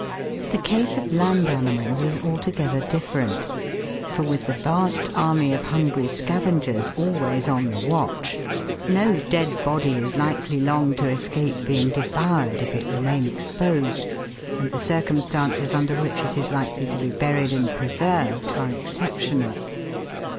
The case of land animals is altogether different; for with the vast army of hungry scavengers always on the watch, no dead body is likely long to escape being de voured if it remain exposed, and the circumstances under which it is likely to be buried and preserved are ex ceptional.